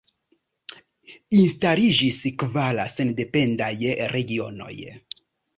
Instaliĝis kvar sendependaj regionoj.